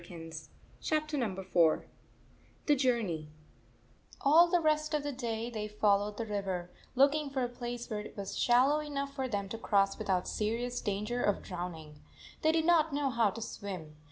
IV THE JOURNEY IV THE JOURNEY i ALL the rest of the day they followed the river, looking for a place where it was shal low 7 enough for them to cross without se rious danger of drowning. They did not know how to swim.